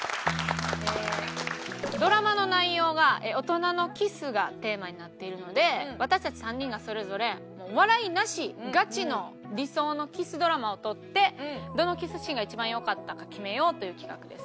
ドラマの内容が「大人のキス」がテーマになっているので私たち３人がそれぞれもう笑いなしガチの理想のキスドラマを撮ってどのキスシーンが一番良かったか決めようという企画です。